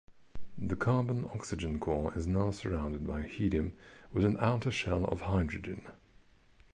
The carbon-oxygen core is now surrounded by helium with an outer shell of hydrogen.